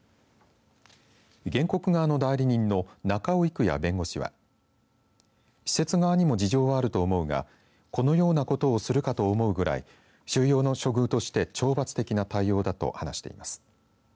原告側の代理人の仲尾育哉弁護士は施設側にも事情はあると思うがこのようなことをするかと思うぐらい収容の処遇として懲罰的な対応だと話しています。